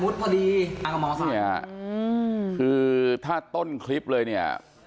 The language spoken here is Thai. ดูขึ้นมาครั้งบริเวจสี่ฮือถ้าต้นคลิบเลยเนี่ย